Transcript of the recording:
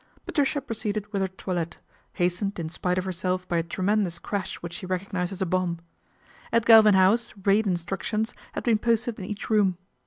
Patricia proceeded with her toilette, hastened, in spite of herself, by a tremendous crash which she recognised as a bomb. At Galvin House " Raid Instructions " had been posted in each room.